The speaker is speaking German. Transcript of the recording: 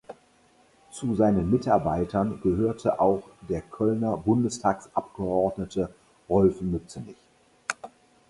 Zu seinen Mitarbeitern gehörte auch der Kölner Bundestagsabgeordnete Rolf Mützenich.